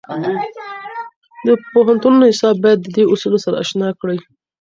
د پوهنتونو نصاب باید د دې اصولو سره اشنا کړي.